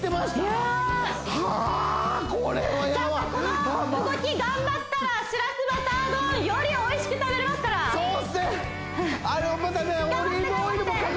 この動き頑張ったらしらすバター丼よりおいしく食べれますからそうっすね